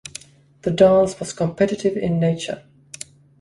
The dance was competitive in nature.